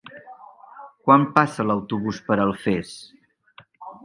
Quan passa l'autobús per Alfés?